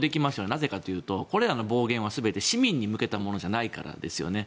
なぜかというとこれらの暴言は全て市民に向けたものじゃないからですよね。